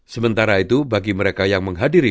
sementara itu bagi mereka yang menghadiri